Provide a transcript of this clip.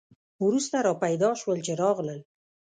وروسته را پیدا شول چې راغلل.